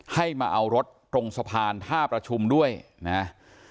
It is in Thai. ให้มาเอารถตรงสะพานท่าประชุมด้วยนะ